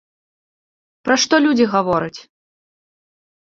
Пра што людзі гавораць?